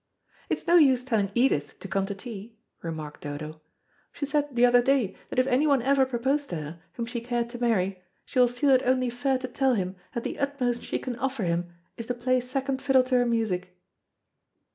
"It's no use telling Edith to come to tea," remarked Dodo. "She said the other day that if anyone ever proposed to her, whom she cared to marry, she will feel it only fair to tell him that the utmost she can offer him, is to play second fiddle to her music."